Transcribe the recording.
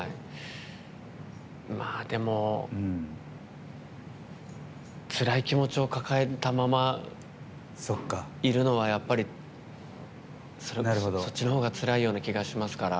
でも、つらい気持ちを抱えたままいるのは、そっちの方がつらいような気がしますから。